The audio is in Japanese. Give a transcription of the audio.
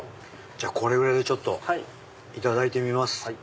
これぐらいでいただいてみます。